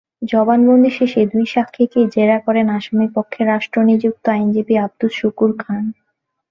জবানবন্দি শেষে দুই সাক্ষীকেই জেরা করেন আসামিপক্ষে রাষ্ট্রনিযুক্ত আইনজীবী আবদুস শুকুর খান।